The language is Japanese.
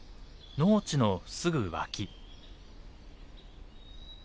農地のすぐ脇。